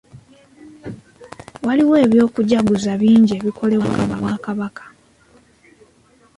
Waliwo eby'okujaguza bingi ebikolebwa mu bwakabaka.